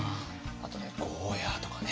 あとねゴーヤーとかね。